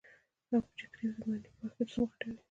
ابجکتیف د معاینې په وخت کې جسم غټوي.